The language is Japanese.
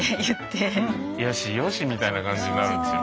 よしよしみたいな感じになるんですよ。